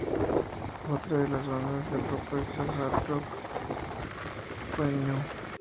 Otra de las bandas de propuesta "hard rock" fue Ñu.